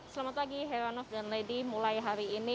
selamat pagi heranov dan lady mulai hari ini